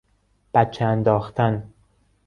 بچه انداختن